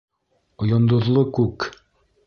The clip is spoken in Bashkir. Йондоҙло күк.